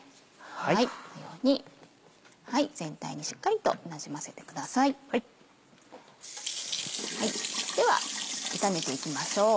このように全体にしっかりとなじませてください。では炒めていきましょう。